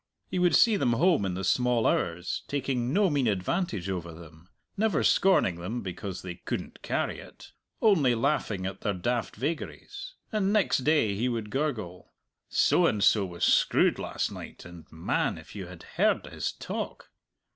He would see them home in the small hours, taking no mean advantage over them, never scorning them because they "couldn't carry it," only laughing at their daft vagaries. And next day he would gurgle, "So and so was screwed last night, and, man, if you had heard his talk!"